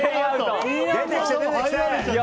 出てきて！